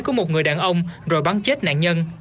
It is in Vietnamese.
của một người đàn ông rồi bắn chết nạn nhân